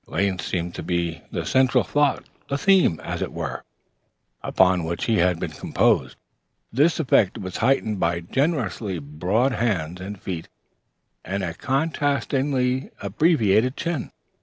Length seemed to have been the central thought, the theme, as it were, upon which he had been composed. This effect was heightened by generously broad hands and feet and a contrastingly abbreviated chin.